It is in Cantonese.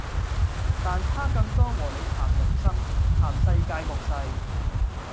但他更多和你談人生、談世界局勢